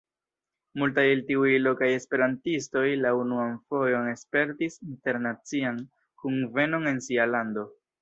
Multaj el tiuj lokaj esperantistoj la unuan fojon spertis internacian kunvenon en sia lando.